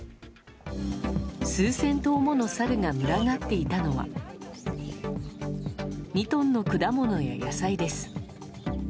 数千頭ものサルが群がっていたのは２トンの果物や野菜です。